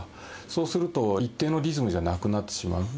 そうすると、一定のリズムじゃなくなってしまう。